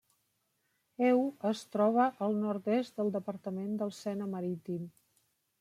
Eu es troba al nord-est del departament del Sena Marítim.